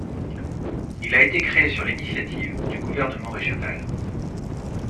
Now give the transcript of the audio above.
Il a été créé sur l'initiative du gouvernement régional.